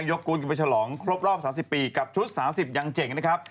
กุลกันไปฉลองครบรอบ๓๐ปีกับชุด๓๐ยังเจ๋งนะครับ